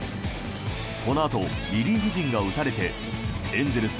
このあとリリーフ陣が打たれてエンゼルス